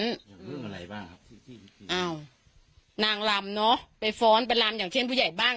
เรื่องอะไรบ้างครับที่ที่อ้าวนางรำเนอะไปฟ้อนไปรำอย่างเช่นผู้ใหญ่บ้าง